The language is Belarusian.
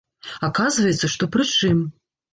Аказваецца, што пры чым.